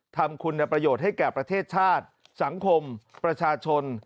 ทำคุณประโยชน์ให้แก่ประเทศชาติสังคมประชาชน